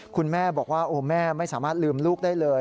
คุณแม่บอกว่าโอ้แม่ไม่สามารถลืมลูกได้เลย